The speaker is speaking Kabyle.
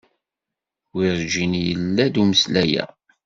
Werǧin yella-d umeslay-a.